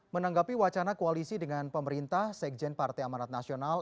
menanggapi wacana koalisi dengan pemerintah sekjen partai amanat nasional